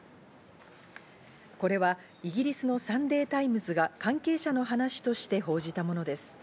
これは、イギリスのサンデー・タイムズが関係者の話として報じたものです。